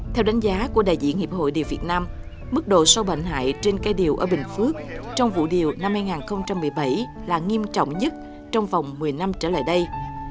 theo đánh giá của đại diện hiệp hội điều việt nam mức độ sâu bệnh hại trên cây điều ở bình phước trong vụ điều năm hai nghìn một mươi bảy là nghiêm trọng nhất trong vòng một mươi năm trở lại đây